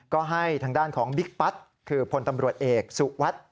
ก็ให้ทางด้านของบิ๊กปั๊ดคือพลตำรวจเอกสุวัสดิ์